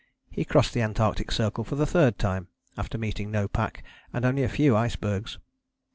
he crossed the Antarctic Circle for the third time, after meeting no pack and only a few icebergs.